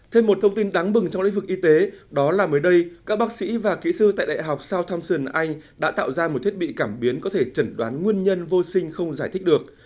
thêm một thông tin đáng bừng trong lĩnh vực y tế đó là mới đây các bác sĩ và kỹ sư tại đại học southampion anh đã tạo ra một thiết bị cảm biến có thể chẩn đoán nguyên nhân vô sinh không giải thích được